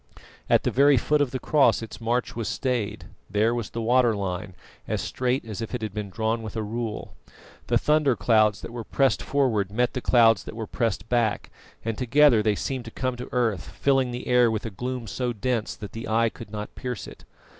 At the very foot of the cross its march was stayed; there was the water line, as straight as if it had been drawn with a rule. The thunder clouds that were pressed forward met the clouds that were pressed back, and together they seemed to come to earth, filling the air with a gloom so dense that the eye could not pierce it.